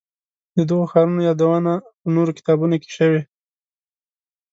د دغو ښارونو یادونه په نورو کتابونو کې شوې.